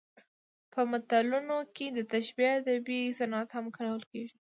په متلونو کې د تشبیه ادبي صنعت هم کارول کیږي